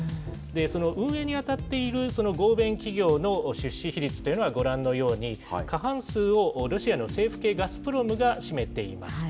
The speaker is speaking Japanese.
その運営に当たっている合弁企業の出資比率というのは、ご覧のように、過半数をロシアの政府系ガスプロムが占めています。